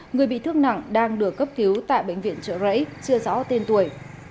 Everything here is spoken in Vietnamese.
người bị thương nặng đang đưa cấp cứu tại bệnh viện chợ rẫy chưa rõ tên tuổi